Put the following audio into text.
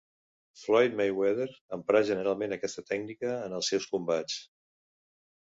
Floyd Mayweather empra generalment aquesta tècnica en els seus combats.